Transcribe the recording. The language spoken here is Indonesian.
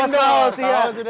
kawas sudah siap